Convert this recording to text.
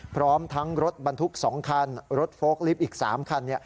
พร้อมทั้งรถบรรทุก๒คันรถโฟลกลิฟต์อีก๓คัน